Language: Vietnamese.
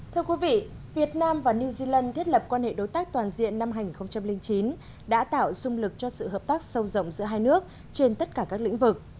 thưa quý vị việt nam và new zealand thiết lập quan hệ đối tác toàn diện năm hai nghìn chín đã tạo dung lực cho sự hợp tác sâu rộng giữa hai nước trên tất cả các lĩnh vực